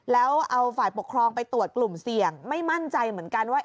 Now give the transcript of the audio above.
แล้วเอาฝ่ายปกครองไปตรวจกลุ่มเสี่ยงไม่มั่นใจเหมือนกันว่า